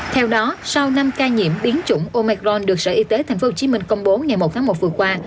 theo đó sau năm ca nhiễm biến chủng omecron được sở y tế tp hcm công bố ngày một tháng một vừa qua